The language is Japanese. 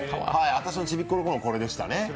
私のちびっこのころはこれでしたね。